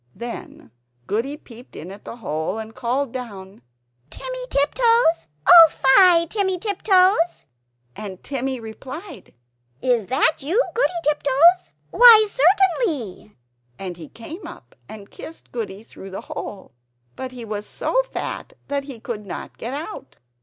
Then Goody peeped in at the hole, and called down "Timmy Tiptoes! Oh fie, Timmy Tiptoes!" And Timmy replied, "Is that you, Goody Tiptoes? Why, certainly!" He came up and kissed Goody through the hole; but he was so fat that he could not get out.